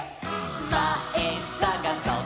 「まえさがそっ！